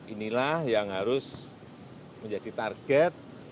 inilah yang harus menjadi target